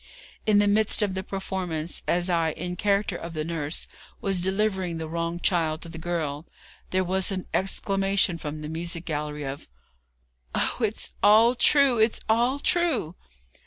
In the midst of the performance, as I, in character of the nurse, was delivering the wrong child to the girl, there was an exclamation from the music gallery of: 'Oh, it's all true! it's all true!'